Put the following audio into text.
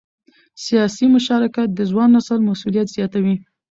سیاسي مشارکت د ځوان نسل مسؤلیت زیاتوي